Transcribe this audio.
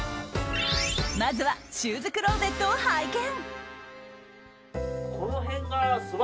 まずはシューズクローゼットを拝見。